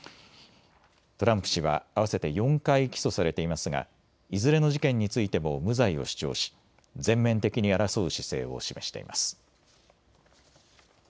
トランプ氏は合わせて４回起訴されていますがいずれの事件についても無罪を主張し全面的に争う姿勢を示しています。